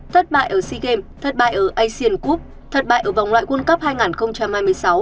thất bại ở sea games thất bại ở asian group thất bại ở vòng loại world cup hai nghìn hai mươi sáu